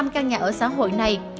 một bảy trăm linh căn nhà ở xã hội này